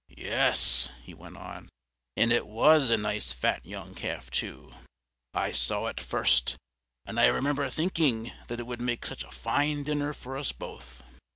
"Yes," he went on, "and it was a nice fat young calf, too; I saw it first, and I remember thinking that it would make such a fine dinner for us both.